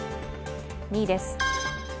２位です。